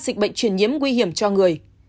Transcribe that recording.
dịch bệnh truyền nhiễm nguy hiểm cho người